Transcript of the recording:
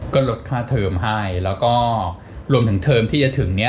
ก็ลดค่าเทอมให้แล้วก็รวมถึงเทอมที่จะถึงเนี้ย